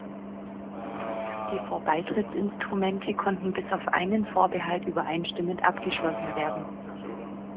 Die Vorbeitrittsinstrumente konnten bis auf einen Vorbehalt übereinstimmend abgeschlossen werden.